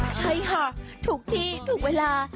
ใช่ค่ะถูกที่ถูกเวลา